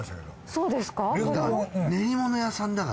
そうですか？